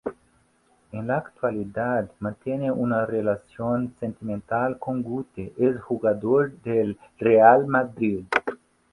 En la actualidad mantiene una relación sentimental con Guti, exjugador del Real Madrid.